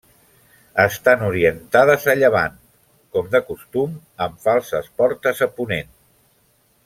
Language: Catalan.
Estan orientades a llevant, com de costum, amb falses portes a ponent.